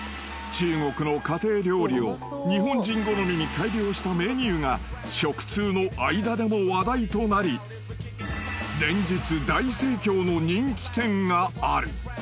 ［中国の家庭料理を日本人好みに改良したメニューが食通の間でも話題となり連日大盛況の人気店がある］